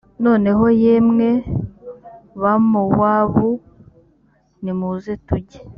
noneho yemwe bamowabu nimuze tujye